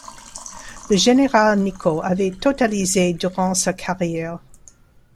Le général Nicot avait totalisé durant sa carrière.